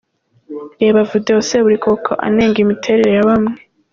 Reba Video Seburikoko anenga imiteretere ya bamwe .